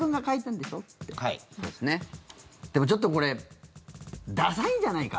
でも、ちょっとこれダサいんじゃないか？